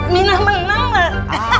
minah menang gak